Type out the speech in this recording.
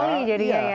mengakali jadinya ya